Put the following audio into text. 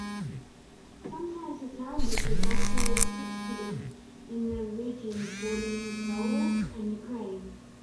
Sometimes, the sound is the glottal fricative in the regions bordering Belarus and Ukraine.